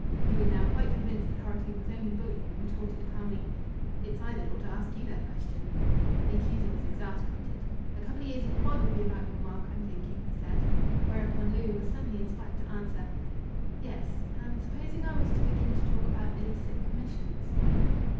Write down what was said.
Louis, now quite convinced that Horrocleave was only bullying retorted, calmly: "It's I that ought to ask you that question." The accuser was exasperated. "A couple o' years in quod will be about your mark, I'm thinking," he said. Whereupon Louis was suddenly inspired to answer: "Yes. And supposing I was to begin to talk about illicit commissions?"